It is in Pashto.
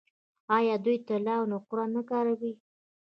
آیا دوی طلا او نقره نه کاروي؟